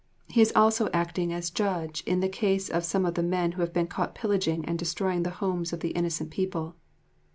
He is also acting as judge in the case of some of the men who have been caught pillaging and destroying the homes of the innocent people.